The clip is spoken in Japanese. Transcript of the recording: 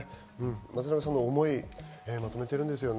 松永さんの思い、まとめてあるんですよね。